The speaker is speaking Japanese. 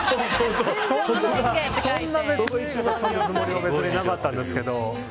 そんなつもりは別になかったんですけど。